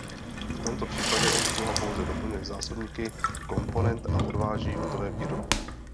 V tomto případě obsluha pouze doplňuje zásobníky komponent a odváží hotové výrobky.